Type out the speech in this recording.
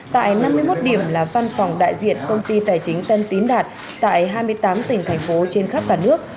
tại năm mươi một điểm là văn phòng đại diện công ty tài chính tân tín đạt tại hai mươi tám tỉnh thành phố trên khắp cả nước